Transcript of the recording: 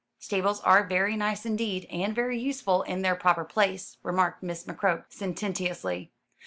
"Stables are very nice indeed, and very useful, in their proper place," remarked Miss McCroke sententiously.